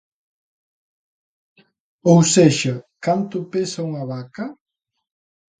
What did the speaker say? Ou sexa: canto pesa unha vaca?